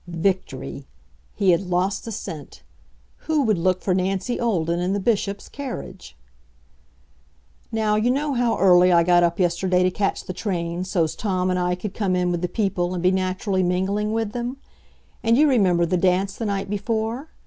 Victory! He had lost the scent. Who would look for Nancy Olden in the Bishop's carriage? Now, you know how early I got up yesterday to catch the train so's Tom and I could come in with the people and be naturally mingling with them? And you remember the dance the night before?